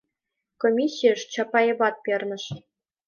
Комиссийыш Чапаеват перныш.